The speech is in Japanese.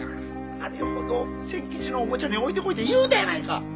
あれほど仙吉のおもちゃに置いてこいと言うたやないか！